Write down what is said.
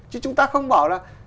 chứ chúng ta không bảo là